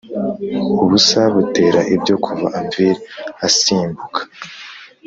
ubusa butera ibyo kuva anvil asimbuka;